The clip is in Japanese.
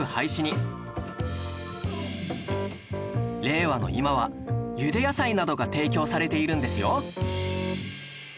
令和の今はゆで野菜などが提供されているんですよ